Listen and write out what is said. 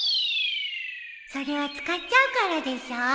それは使っちゃうからでしょ